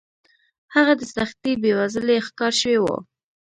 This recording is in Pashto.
هغه د سختې بېوزلۍ ښکار شوی و.